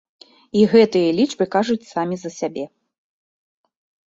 І гэтыя лічбы кажуць самі за сябе.